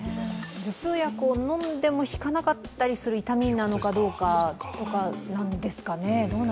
頭痛薬を飲んでも、引かなかったりする痛みなのかどうか、とかなんですかね？